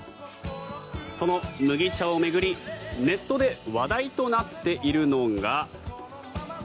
その麦茶を巡り、ネットで話題となっているのが。